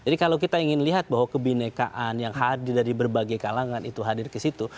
jadi kalau kita ingin lihat bahwa kebinekaan yang hadir dari berbagai kalangan itu hadir ke situ